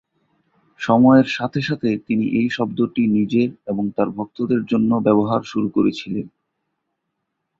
সময়ের সাথে সাথে তিনি এই শব্দটি নিজের এবং তার ভক্তদের জন্য ব্যবহার শুরু করেছিলেন।